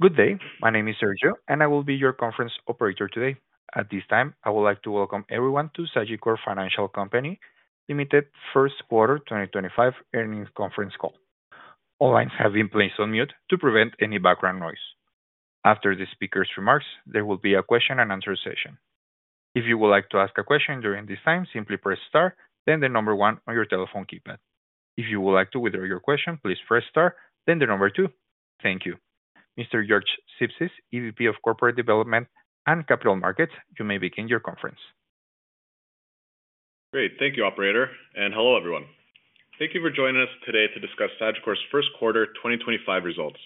Good day, my name is Sergio, and I will be your conference operator today. At this time, I would like to welcome everyone to Sagicor Financial Company Ltd's first quarter 2025 earnings conference call. All lines have been placed on mute to prevent any background noise. After the speaker's remarks, there will be a question and answer session. If you would like to ask a question during this time, simply press Star, then the number one on your telephone keypad. If you would like to withdraw your question, please press Star, then the number two. Thank you. Mr. George Sipsis, EVP of Corporate Development and Capital Markets, you may begin your conference. Great, thank you, Operator. Hello, everyone. Thank you for joining us today to discuss Sagicor's first quarter 2025 results.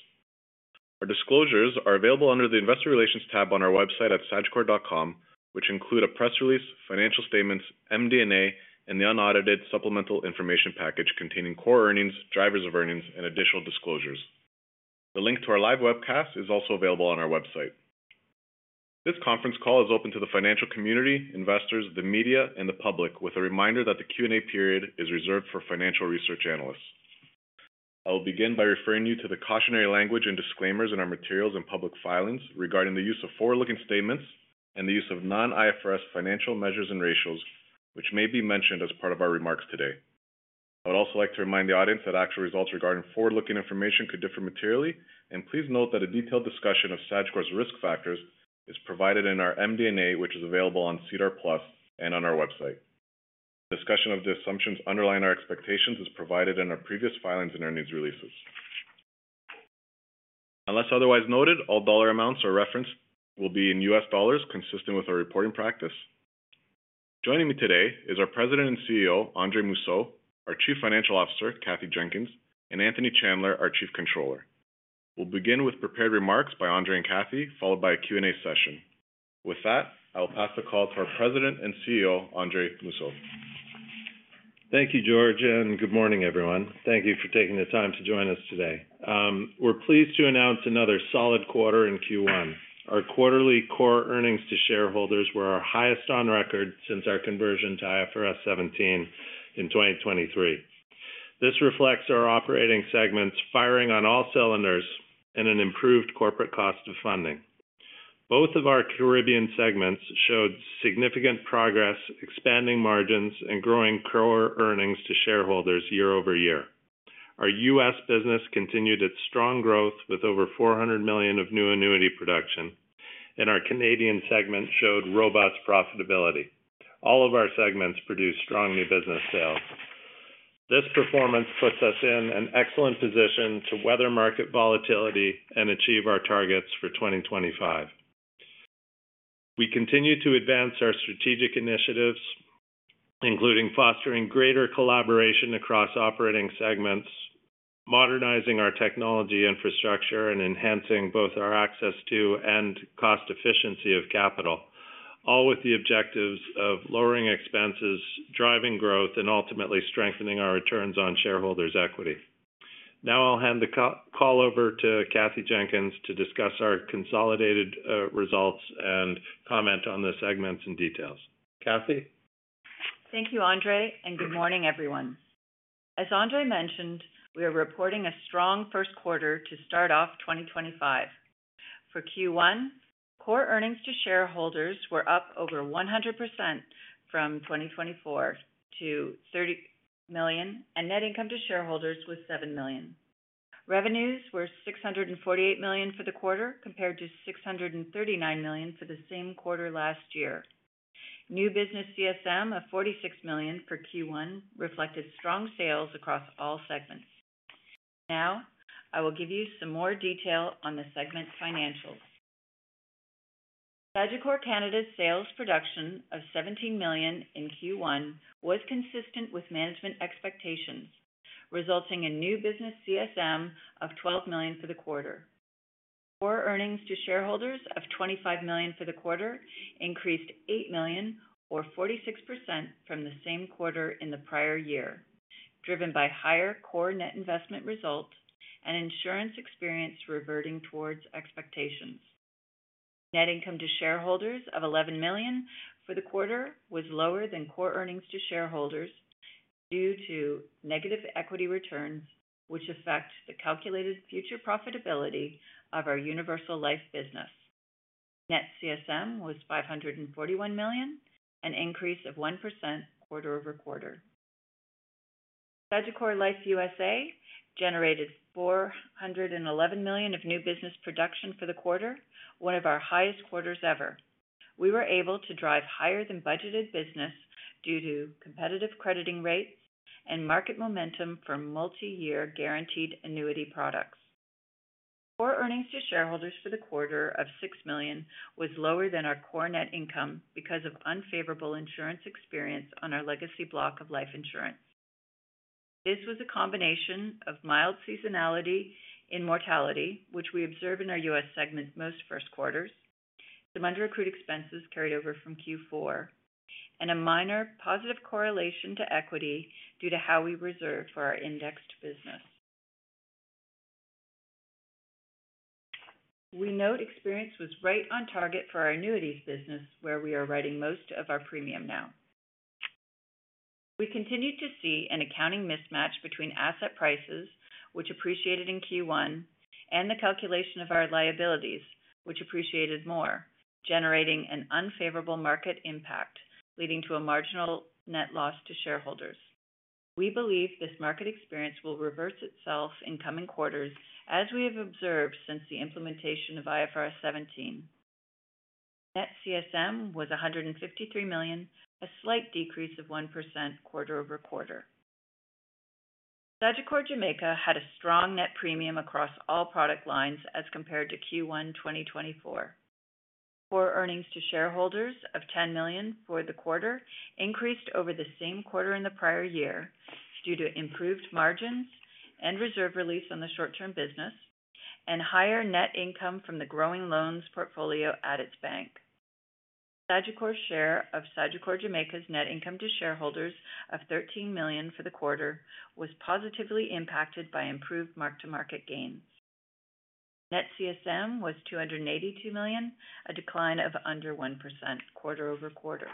Our disclosures are available under the Investor Relations tab on our website at sagicor.com, which include a press release, financial statements, MD&A, and the unaudited supplemental information package containing core earnings, drivers of earnings, and additional disclosures. The link to our live webcast is also available on our website. This conference call is open to the financial community, investors, the media, and the public, with a reminder that the Q&A period is reserved for financial research analysts. I will begin by referring you to the cautionary language and disclaimers in our materials and public filings regarding the use of forward-looking statements and the use of non-IFRS financial measures and ratios, which may be mentioned as part of our remarks today. I would also like to remind the audience that actual results regarding forward-looking information could differ materially, and please note that a detailed discussion of Sagicor's risk factors is provided in our MD&A, which is available on SEDAR+ and on our website. A discussion of the assumptions underlying our expectations is provided in our previous filings and earnings releases. Unless otherwise noted, all dollar amounts referenced will be in US dollars, consistent with our reporting practice. Joining me today is our President and CEO, Andre Mousseau, our Chief Financial Officer, Kathy Jenkins, and Anthony Chandler, our Chief Controller. We'll begin with prepared remarks by Andre and Kathy, followed by a Q&A session. With that, I will pass the call to our President and CEO, Andre Mousseau. Thank you, George, and good morning, everyone. Thank you for taking the time to join us today. We're pleased to announce another solid quarter in Q1. Our quarterly core earnings to shareholders were our highest on record since our conversion to IFRS 17 in 2023. This reflects our operating segments firing on all cylinders and an improved corporate cost of funding. Both of our Caribbean segments showed significant progress, expanding margins, and growing core earnings to shareholders year over year. Our US business continued its strong growth with over $400 million of new annuity production, and our Canadian segment showed robust profitability. All of our segments produced strong new business sales. This performance puts us in an excellent position to weather market volatility and achieve our targets for 2025. We continue to advance our strategic initiatives, including fostering greater collaboration across operating segments, modernizing our technology infrastructure, and enhancing both our access to and cost efficiency of capital, all with the objectives of lowering expenses, driving growth, and ultimately strengthening our returns on shareholders' equity. Now I'll hand the call over to Kathy Jenkins to discuss our consolidated results and comment on the segments and details. Kathy? Thank you, Andre, and good morning, everyone. As Andre mentioned, we are reporting a strong first quarter to start off 2025. For Q1, core earnings to shareholders were up over 100% from 2024 to $30 million, and net income to shareholders was $7 million. Revenues were $648 million for the quarter, compared to $639 million for the same quarter last year. New business CSM of $46 million for Q1 reflected strong sales across all segments. Now I will give you some more detail on the segment's financials. Sagicor Canada's sales production of $17 million in Q1 was consistent with management expectations, resulting in new business CSM of $12 million for the quarter. Core earnings to shareholders of $25 million for the quarter increased $8 million, or 46% from the same quarter in the prior year, driven by higher core net investment result and insurance experience reverting towards expectations. Net income to shareholders of $11 million for the quarter was lower than core earnings to shareholders due to negative equity returns, which affect the calculated future profitability of our universal life business. Net CSM was $541 million, an increase of 1% quarter over quarter. Sagicor Life USA generated $411 million of new business production for the quarter, one of our highest quarters ever. We were able to drive higher than budgeted business due to competitive crediting rates and market momentum for multi-year guaranteed annuity products. Core earnings to shareholders for the quarter of $6 million was lower than our core net income because of unfavorable insurance experience on our legacy block of life insurance. This was a combination of mild seasonality in mortality, which we observed in our US segment's most first quarters, demand-to-recruit expenses carried over from Q4, and a minor positive correlation to equity due to how we reserved for our indexed business. We note experience was right on target for our annuities business, where we are writing most of our premium now. We continue to see an accounting mismatch between asset prices, which appreciated in Q1, and the calculation of our liabilities, which appreciated more, generating an unfavorable market impact, leading to a marginal net loss to shareholders. We believe this market experience will reverse itself in coming quarters, as we have observed since the implementation of IFRS 17. Net CSM was $153 million, a slight decrease of 1% quarter over quarter. Sagicor Jamaica had a strong net premium across all product lines as compared to Q1 2024. Core earnings to shareholders of $10 million for the quarter increased over the same quarter in the prior year due to improved margins and reserve release on the short-term business and higher net income from the growing loans portfolio at its bank. Sagicor's share of Sagicor Jamaica's net income to shareholders of $13 million for the quarter was positively impacted by improved mark-to-market gains. Net CSM was $282 million, a decline of under 1% quarter over quarter.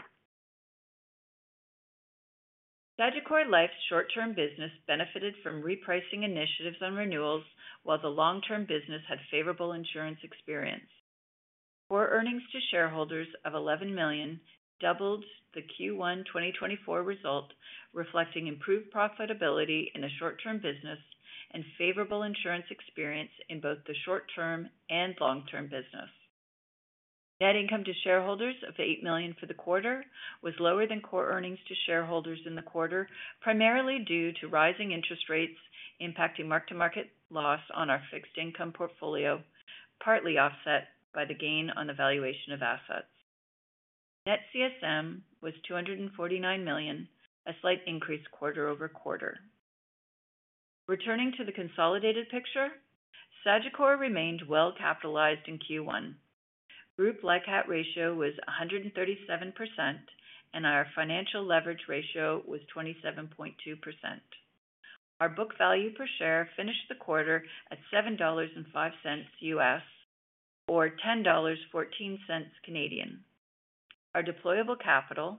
Sagicor Life's short-term business benefited from repricing initiatives on renewals, while the long-term business had favorable insurance experience. Core earnings to shareholders of $11 million doubled the Q1 2024 result, reflecting improved profitability in the short-term business and favorable insurance experience in both the short-term and long-term business. Net income to shareholders of $8 million for the quarter was lower than core earnings to shareholders in the quarter, primarily due to rising interest rates impacting mark-to-market loss on our fixed income portfolio, partly offset by the gain on the valuation of assets. Net CSM was $249 million, a slight increase quarter over quarter. Returning to the consolidated picture, Sagicor remained well capitalized in Q1. Group LICAT ratio was 137%, and our financial leverage ratio was 27.2%. Our book value per share finished the quarter at $7.05 US, or 10.14 Canadian dollars. Our deployable capital,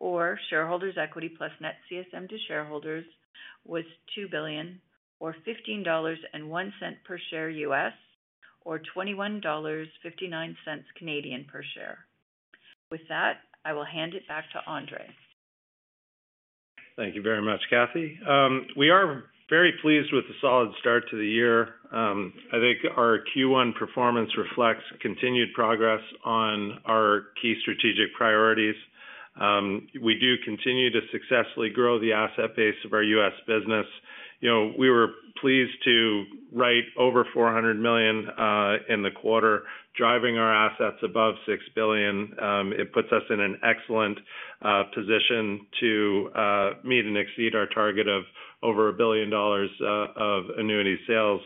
or shareholders' equity plus net CSM to shareholders, was $2 billion, or $15.01 per share US, or 21.59 Canadian dollars per share. With that, I will hand it back to Andre. Thank you very much, Kathy. We are very pleased with the solid start to the year. I think our Q1 performance reflects continued progress on our key strategic priorities. We do continue to successfully grow the asset base of our US business. We were pleased to write over $400 million in the quarter, driving our assets above $6 billion. It puts us in an excellent position to meet and exceed our target of over $1 billion of annuity sales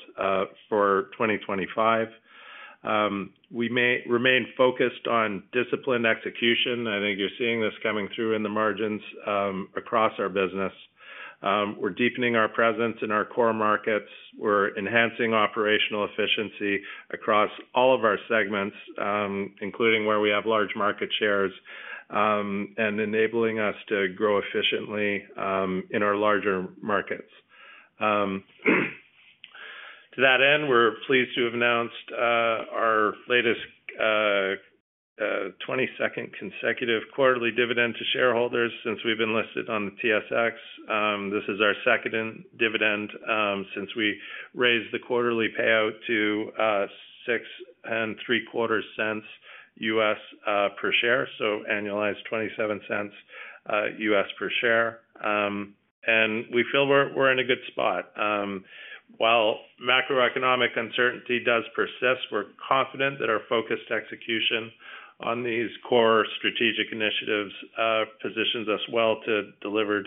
for 2025. We remain focused on disciplined execution. I think you're seeing this coming through in the margins across our business. We're deepening our presence in our core markets. We're enhancing operational efficiency across all of our segments, including where we have large market shares, and enabling us to grow efficiently in our larger markets. To that end, we're pleased to have announced our latest 22nd consecutive quarterly dividend to shareholders since we've been listed on the TSX. This is our second dividend since we raised the quarterly payout to $0.0675 per share, so annualized $0.27 per share. We feel we're in a good spot. While macroeconomic uncertainty does persist, we're confident that our focused execution on these core strategic initiatives positions us well to deliver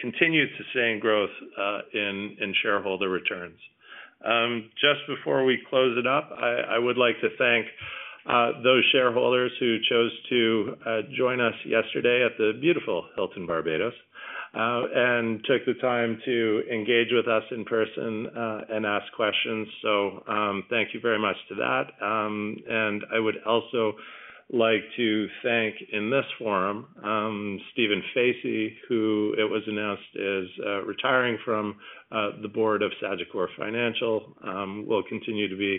continued sustained growth in shareholder returns. Just before we close it up, I would like to thank those shareholders who chose to join us yesterday at the beautiful Hilton Barbados and took the time to engage with us in person and ask questions. Thank you very much for that. I would also like to thank in this forum, Stephen Facey, who it was announced is retiring from the board of Sagicor Financial. Will continue to be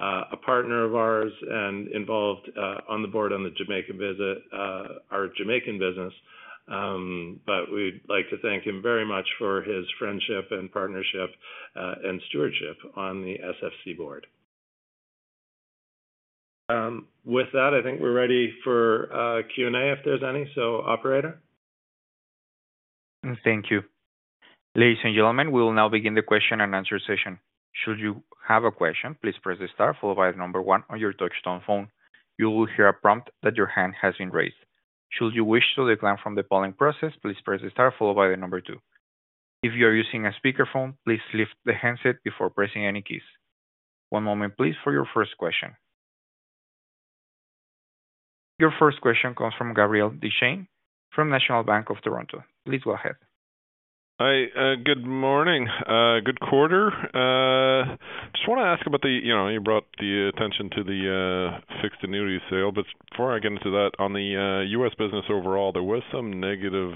a partner of ours and involved on the board on the Jamaican visit, our Jamaican business. We would like to thank him very much for his friendship and partnership and stewardship on the Sagicor Financial Company Ltd board. With that, I think we are ready for Q&A if there is any. Operator? Thank you. Ladies and gentlemen, we will now begin the question and answer session. Should you have a question, please press the star followed by the number one on your touch-tone phone. You will hear a prompt that your hand has been raised. Should you wish to decline from the polling process, please press the star followed by the number two. If you are using a speakerphone, please lift the handset before pressing any keys. One moment, please, for your first question. Your first question comes from Gabriel Dechaine from National Bank Financial. Please go ahead. Hi, good morning. Good quarter. Just want to ask about the, you know, you brought the attention to the fixed annuity sale. Before I get into that, on the US business overall, there was some negative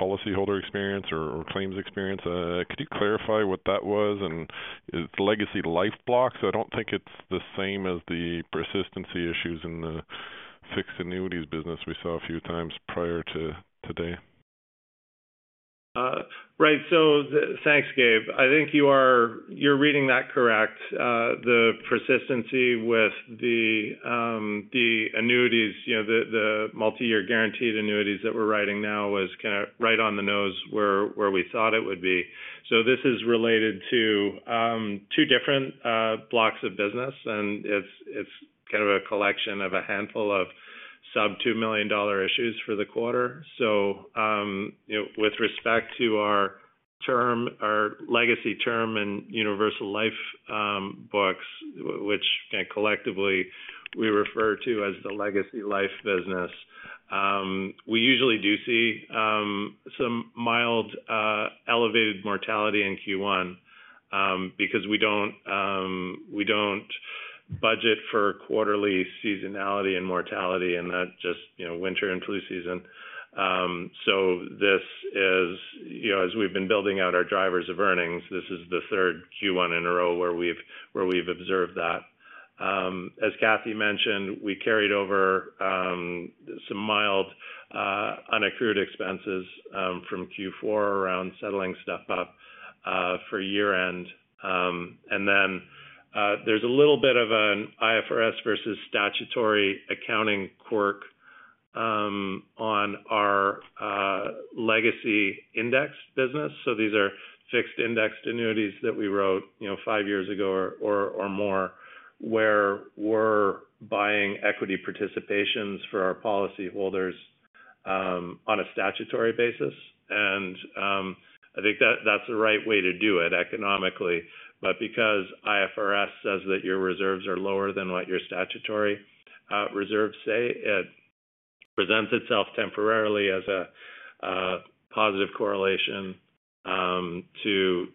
policyholder experience or claims experience. Could you clarify what that was and its legacy life blocks? I do not think it is the same as the persistency issues in the fixed annuities business we saw a few times prior to today. Right. Thanks, Gabe. I think you're reading that correct. The persistency with the annuities, you know, the multi-year guaranteed annuities that we're writing now was kind of right on the nose where we thought it would be. This is related to two different blocks of business, and it's kind of a collection of a handful of sub-$2 million issues for the quarter. You know, with respect to our term, our legacy term and universal life books, which collectively we refer to as the legacy life business, we usually do see some mild elevated mortality in Q1 because we don't budget for quarterly seasonality in mortality and not just, you know, winter and flu season. This is, you know, as we've been building out our drivers of earnings, the third Q1 in a row where we've observed that. As Kathy mentioned, we carried over some mild unaccrued expenses from Q4 around settling stuff up for year-end. There is a little bit of an IFRS versus statutory accounting quirk on our legacy index business. These are fixed indexed annuities that we wrote, you know, five years ago or more, where we're buying equity participations for our policyholders on a statutory basis. I think that that's the right way to do it economically. Because IFRS says that your reserves are lower than what your statutory reserves say, it presents itself temporarily as a positive correlation to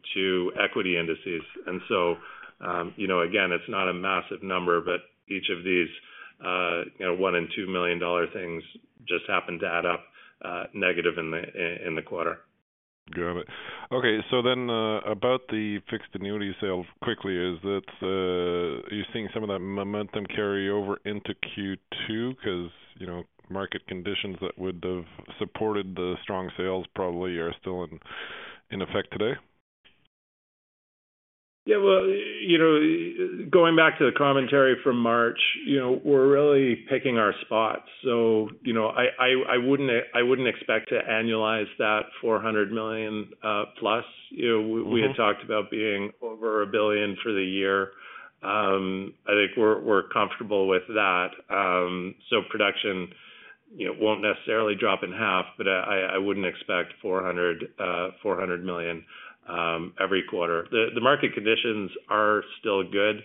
equity indices. You know, again, it's not a massive number, but each of these, you know, one and two million dollar things just happened to add up negative in the quarter. Got it. Okay. So then about the fixed annuity sales quickly, is that you're seeing some of that momentum carry over into Q2 because, you know, market conditions that would have supported the strong sales probably are still in effect today? Yeah. You know, going back to the commentary from March, you know, we're really picking our spots. You know, I wouldn't expect to annualize that $400 million plus. We had talked about being over $1 billion for the year. I think we're comfortable with that. Production, you know, won't necessarily drop in half, but I wouldn't expect $400 million every quarter. The market conditions are still good.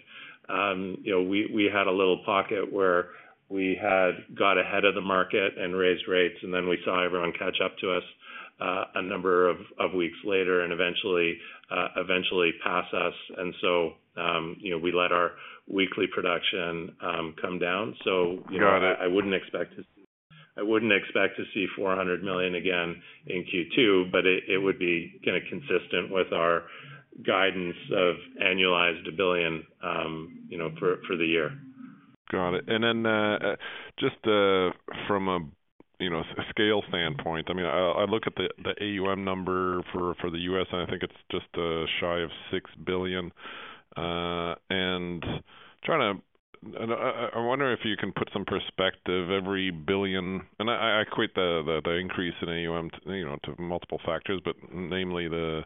You know, we had a little pocket where we had got ahead of the market and raised rates, and then we saw everyone catch up to us a number of weeks later and eventually pass us. You know, we let our weekly production come down. You know, I wouldn't expect to see $400 million again in Q2, but it would be kind of consistent with our guidance of annualized $1 billion for the year. Got it. And then just from a, you know, scale standpoint, I mean, I look at the AUM number for the US, and I think it's just shy of $6 billion. And I'm trying to, I wonder if you can put some perspective. Every billion, and I equate the increase in AUM to multiple factors, but namely the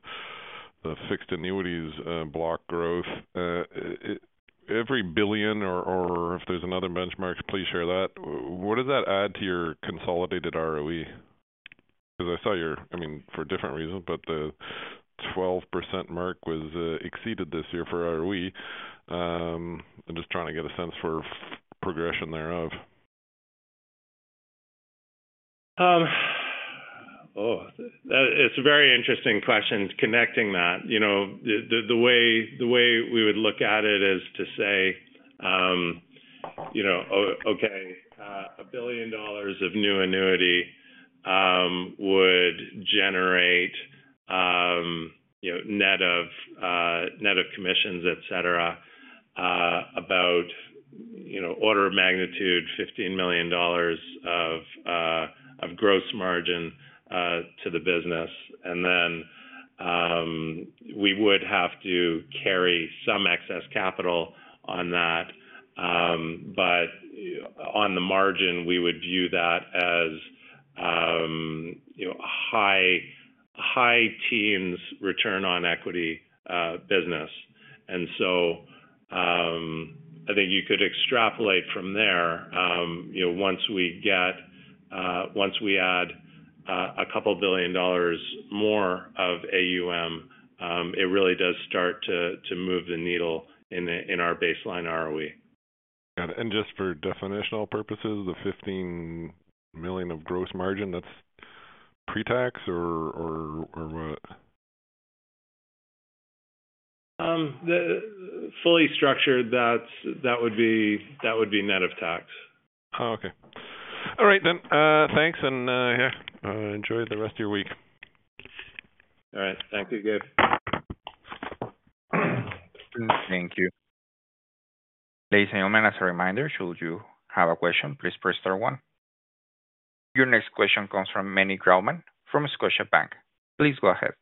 fixed annuities block growth, every billion, or if there's another benchmark, please share that. What does that add to your consolidated ROE? Because I saw your, I mean, for different reasons, but the 12% mark was exceeded this year for ROE. I'm just trying to get a sense for progression thereof. Oh, it's a very interesting question connecting that. You know, the way we would look at it is to say, you know, okay, a billion dollars of new annuity would generate, you know, net of commissions, et cetera, about, you know, order of magnitude $15 million of gross margin to the business. And then we would have to carry some excess capital on that. But on the margin, we would view that as, you know, a high teens return on equity business. I think you could extrapolate from there, you know, once we add a couple of billion dollars more of AUM, it really does start to move the needle in our baseline ROE. Got it. And just for definitional purposes, the $15 million of gross margin, that's pre-tax or what? Fully structured, that would be net of tax. Oh, okay. All right, then. Thanks. Yeah, enjoy the rest of your week. All right. Thank you, Gabe. Thank you. Ladies and gentlemen, as a reminder, should you have a question, please press star one. Your next question comes from Manny Grauman from Scotiabank. Please go ahead.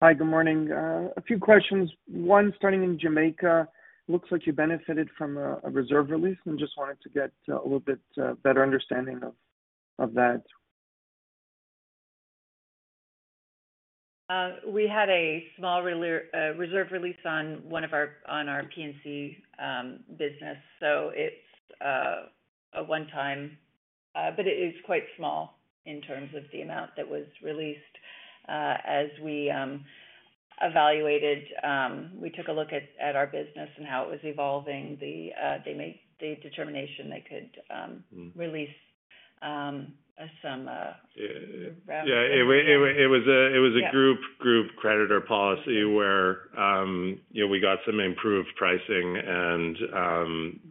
Hi, good morning. A few questions. One starting in Jamaica. Looks like you benefited from a reserve release and just wanted to get a little bit better understanding of that. We had a small reserve release on one of our P&C businesses. It is a one-time, but it is quite small in terms of the amount that was released. As we evaluated, we took a look at our business and how it was evolving. They made the determination they could release some round. Yeah. It was a group creditor policy where, you know, we got some improved pricing and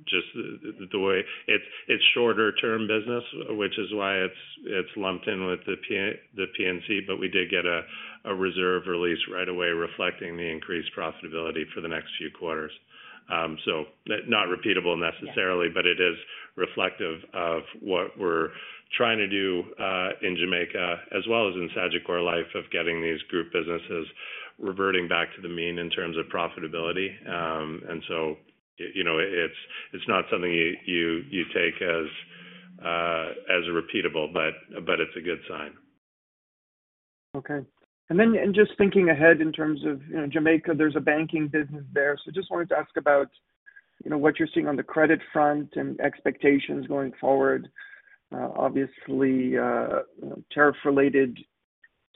just the way it's shorter-term business, which is why it's lumped in with the P&C, but we did get a reserve release right away reflecting the increased profitability for the next few quarters. Not repeatable necessarily, but it is reflective of what we're trying to do in Jamaica as well as in Sagicor Life of getting these group businesses reverting back to the mean in terms of profitability. You know, it's not something you take as repeatable, but it's a good sign. Okay. And then just thinking ahead in terms of, you know, Jamaica, there is a banking business there. So just wanted to ask about, you know, what you are seeing on the credit front and expectations going forward. Obviously, tariff-related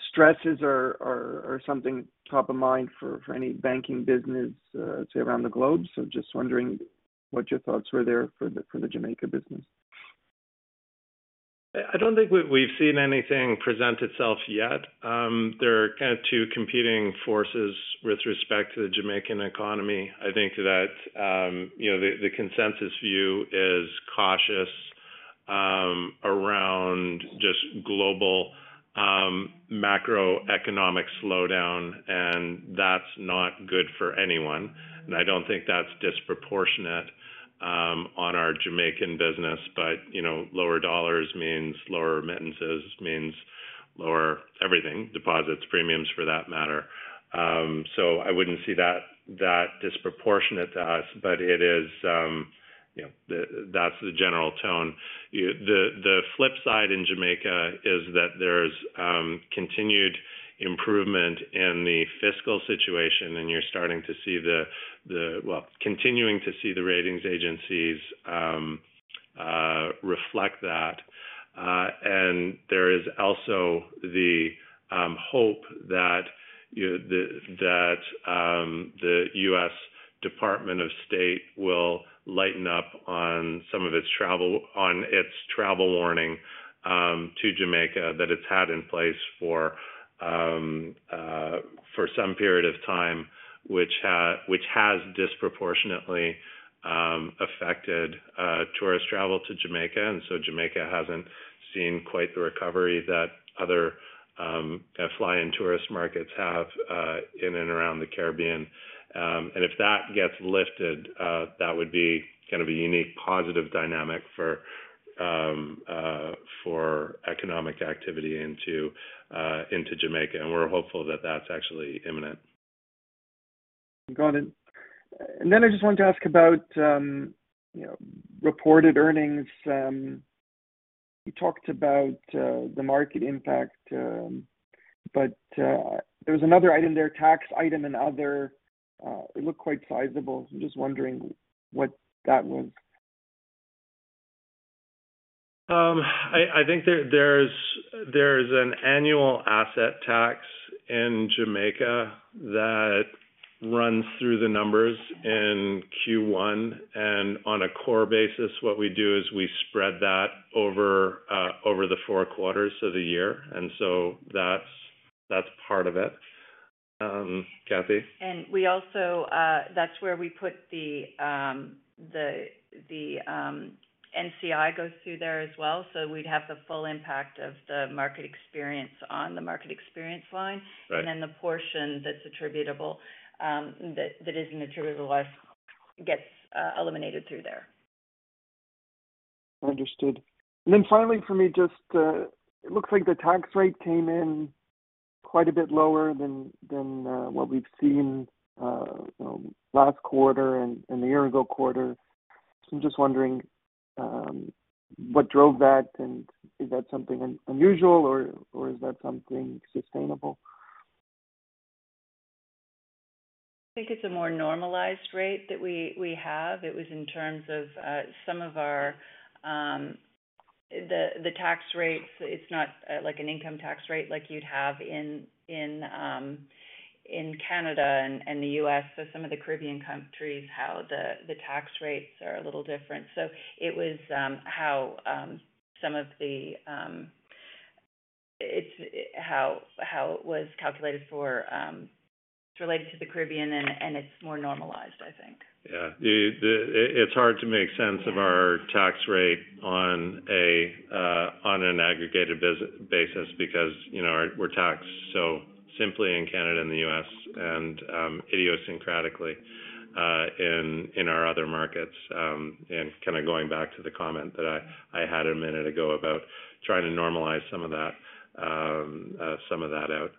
stresses are something top of mind for any banking business around the globe. So just wondering what your thoughts were there for the Jamaica business. I do not think we have seen anything present itself yet. There are kind of two competing forces with respect to the Jamaican economy. I think that, you know, the consensus view is cautious around just global macroeconomic slowdown, and that is not good for anyone. I do not think that is disproportionate on our Jamaican business. You know, lower dollars means lower remittances, means lower everything, deposits, premiums for that matter. I would not see that disproportionate to us, but it is, you know, that is the general tone. The flip side in Jamaica is that there is continued improvement in the fiscal situation, and you are starting to see the, well, continuing to see the ratings agencies reflect that. There is also the hope that the U.S. Department of State will lighten up on some of its travel warning to Jamaica that it's had in place for some period of time, which has disproportionately affected tourist travel to Jamaica. Jamaica hasn't seen quite the recovery that other fly-in tourist markets have in and around the Caribbean. If that gets lifted, that would be kind of a unique positive dynamic for economic activity into Jamaica. We're hopeful that that's actually imminent. Got it. I just wanted to ask about, you know, reported earnings. You talked about the market impact, but there was another item there, tax item and other. It looked quite sizable. I'm just wondering what that was. I think there's an annual asset tax in Jamaica that runs through the numbers in Q1. On a core basis, what we do is we spread that over the four quarters of the year. That's part of it. Kathy? We also, that's where we put the NCI goes through there as well. We'd have the full impact of the market experience on the market experience line. The portion that's attributable that isn't attributable to life gets eliminated through there. Understood. Finally for me, just it looks like the tax rate came in quite a bit lower than what we've seen last quarter and the year-ago quarter. I'm just wondering what drove that, and is that something unusual or is that something sustainable? I think it's a more normalized rate that we have. It was in terms of some of our tax rates, it's not like an income tax rate like you'd have in Canada and the U.S. Some of the Caribbean countries, how the tax rates are a little different. It was how it was calculated for, it's related to the Caribbean, and it's more normalized, I think. Yeah. It's hard to make sense of our tax rate on an aggregated basis because, you know, we're taxed so simply in Canada and the US and idiosyncratically in our other markets. Kind of going back to the comment that I had a minute ago about trying to normalize some of that, some of that out.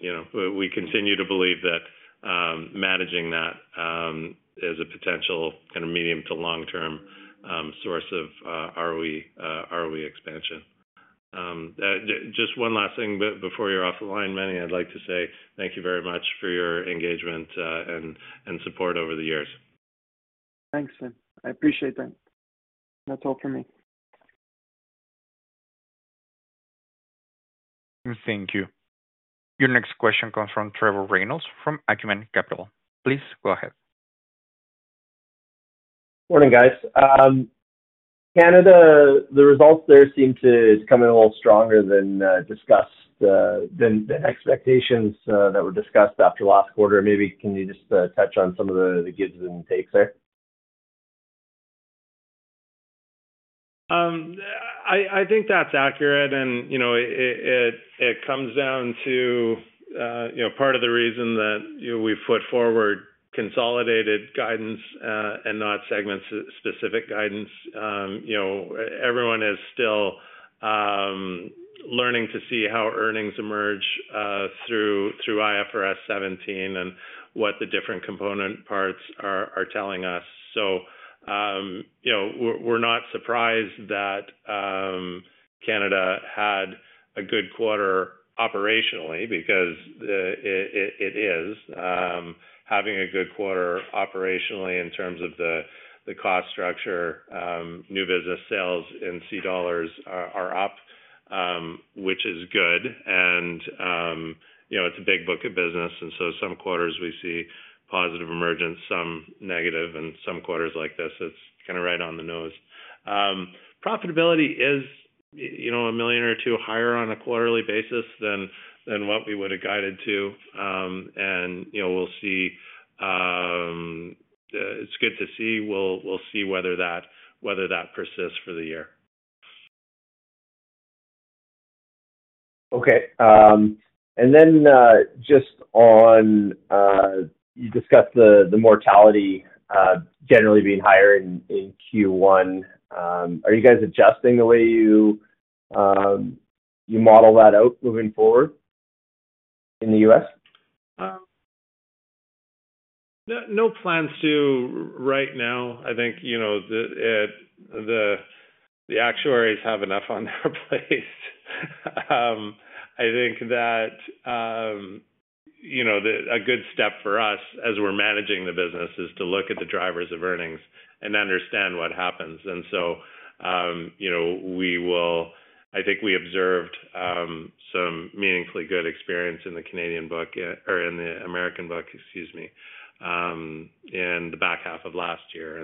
You know, we continue to believe that managing that is a potential kind of medium to long-term source of ROE expansion. Just one last thing before you're off the line, Manny, I'd like to say thank you very much for your engagement and support over the years. Thanks, Sam. I appreciate that. That's all for me. Thank you. Your next question comes from Trevor Reynolds from Acumen Capital. Please go ahead. Morning, guys. Canada, the results there seem to come in a little stronger than expectations that were discussed after last quarter. Maybe can you just touch on some of the gives and takes there? I think that's accurate. You know, it comes down to, you know, part of the reason that we've put forward consolidated guidance and not segment-specific guidance. You know, everyone is still learning to see how earnings emerge through IFRS 17 and what the different component parts are telling us. You know, we're not surprised that Canada had a good quarter operationally because it is having a good quarter operationally in terms of the cost structure. New business sales in C dollars are up, which is good. You know, it's a big book of business. Some quarters we see positive emergence, some negative, and some quarters like this, it's kind of right on the nose. Profitability is, you know, a million or two higher on a quarterly basis than what we would have guided to. You know, we'll see. It's good to see. We'll see whether that persists for the year. Okay. And then just on you discussed the mortality generally being higher in Q1. Are you guys adjusting the way you model that out moving forward in the US? No plans to right now. I think, you know, the actuaries have enough on their plates. I think that, you know, a good step for us as we're managing the business is to look at the drivers of earnings and understand what happens. You know, we will, I think we observed some meaningfully good experience in the Canadian book or in the American book, excuse me, in the back half of last year.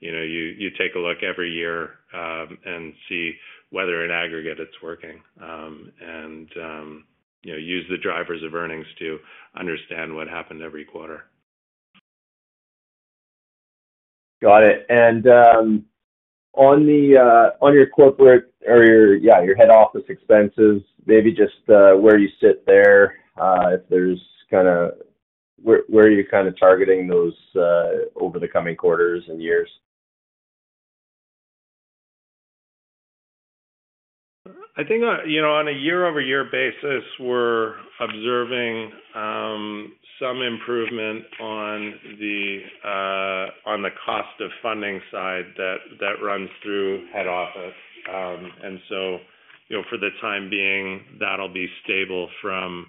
You know, you take a look every year and see whether in aggregate it's working and, you know, use the drivers of earnings to understand what happened every quarter. Got it. On your corporate or your, yeah, your head office expenses, maybe just where you sit there, if there's kind of where are you kind of targeting those over the coming quarters and years? I think, you know, on a year-over-year basis, we're observing some improvement on the cost of funding side that runs through head office. You know, for the time being, that'll be stable from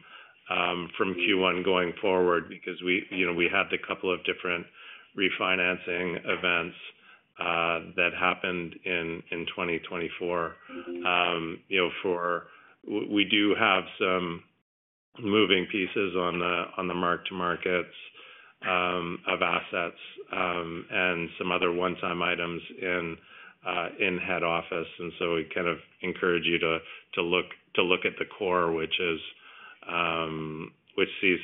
Q1 going forward because, you know, we had the couple of different refinancing events that happened in 2024. You know, we do have some moving pieces on the mark-to-markets of assets and some other one-time items in head office. We kind of encourage you to look at the core, which sees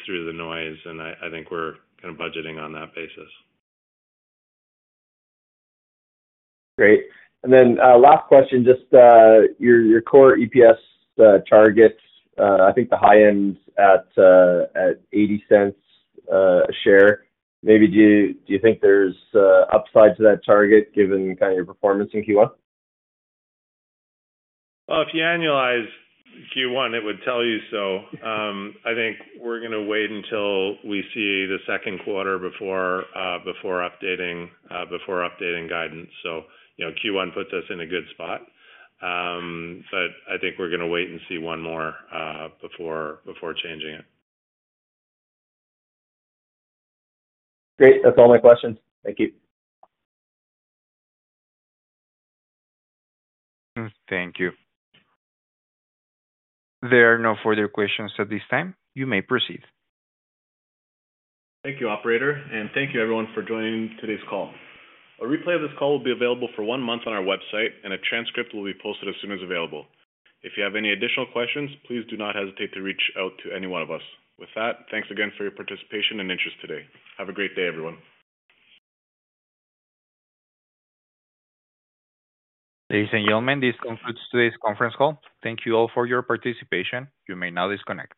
through the noise. I think we're kind of budgeting on that basis. Great. Last question, just your core EPS targets, I think the high end at $0.80 a share. Maybe do you think there's upside to that target given kind of your performance in Q1? If you annualize Q1, it would tell you so. I think we're going to wait until we see the second quarter before updating guidance. You know, Q1 puts us in a good spot. I think we're going to wait and see one more before changing it. Great. That's all my questions. Thank you. Thank you. There are no further questions at this time. You may proceed. Thank you, operator. Thank you, everyone, for joining today's call. A replay of this call will be available for one month on our website, and a transcript will be posted as soon as available. If you have any additional questions, please do not hesitate to reach out to any one of us. With that, thanks again for your participation and interest today. Have a great day, everyone. Ladies and gentlemen, this concludes today's conference call. Thank you all for your participation. You may now disconnect.